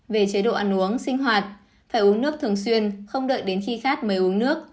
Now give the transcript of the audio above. về chế độ ăn uống sinh hoạt phải uống nước thường xuyên không đợi đến khi khát mới uống nước